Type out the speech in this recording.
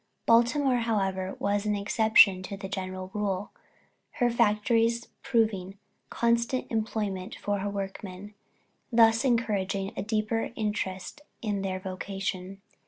Baltimore, however, was an exception to the general rule, her factories providing constant employment for her workmen, thus encouraging a deeper interest in their vocation.